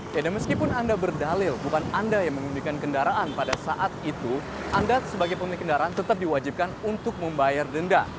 karena meskipun anda berdalil bukan anda yang menggunakan kendaraan pada saat itu anda sebagai pemilik kendaraan tetap diwajibkan untuk membayar denda